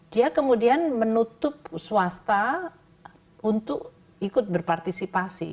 dia kemudian menutup swasta untuk ikut berpartisipasi